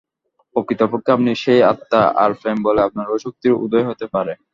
প্রকৃতপক্ষে আপনিই সেই আত্মা, আর প্রেমবলেই আপনার ঐ শক্তির উদয় হইতে পারে।